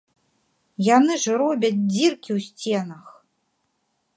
Яны ж робяць дзіркі ў сценах!